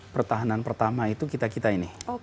pertahanan pertama itu kita kita ini